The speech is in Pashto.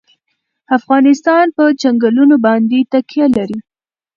افغانستان په چنګلونه باندې تکیه لري.